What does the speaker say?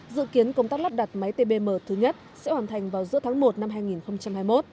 dự kiến công tác lắp đặt máy tbm thứ nhất sẽ hoàn thành vào giữa tháng một năm hai nghìn hai mươi một